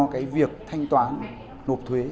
cái việc thanh toán nộp thuế